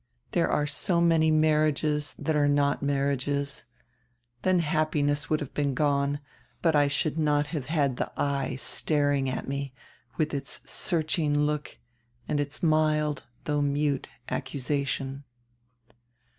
There are so many marriages that are not marriages. Then happiness would have been gone, but I should not have had the eye staring at me with its search ing look and its mild, though mute, accusation."